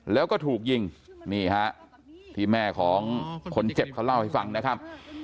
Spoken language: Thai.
แล้วก็ถูกยิงนี่ฮะที่แม่ของคนเจ็บเขาเล่าให้ฟังนะครับ